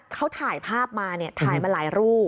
เขาถ่ายภาพมาเนี่ยถ่ายมาหลายรูป